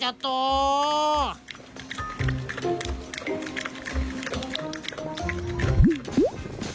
เปิดฝากระโปรงหลังก็เปิดจาก